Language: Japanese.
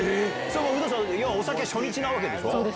有働さん、要はお酒、初日なそうです。